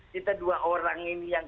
kita dua orang ini yang